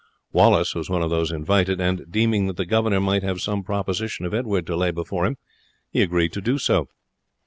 Wallace was one of those invited; and deeming that the governor might have some proposition of Edward to lay before them, he agreed to do so.